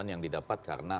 yang didapat karena